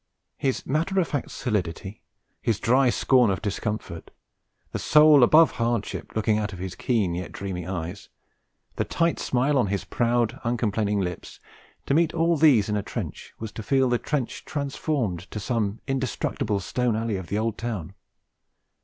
His matter of fact stolidity, his dry scorn of discomfort, the soul above hardship looking out of his keen yet dreamy eyes, the tight smile on his proud, uncomplaining lips to meet all these in a trench was to feel the trench transformed to some indestructible stone alley of the Old Town.